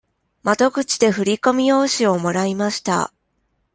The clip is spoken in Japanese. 窓口で振り込み用紙をもらいました。